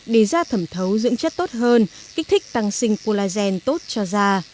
để da thẩm thấu dưỡng chất tốt hơn kích thích tăng sinh collagen tốt cho da